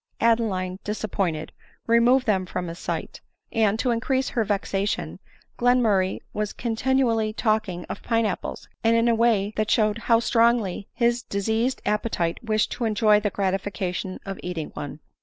Adeline, disappointed, removed them from his sight ; and, to increase her vexation, Glenmurray was continually talking of pine apples, and in a way that showed how /•*»^ ADELINE MOWBRAY. Jgg Strongly his diseased appetite wished to enjoy the gratifica tion of eating one.